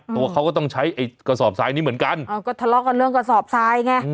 ตัวเขาก็ต้องใช้ไอ้กระสอบทรายนี้เหมือนกันก็ทะเลาะกันเรื่องกระสอบทรายไง